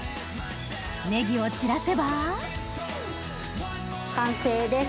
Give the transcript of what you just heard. ネギを散らせば完成です。